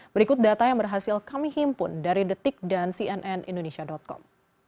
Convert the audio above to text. berikut data yang berhasil kami himpun dari detik dan cnn indonesia com